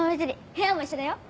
部屋も一緒だよ。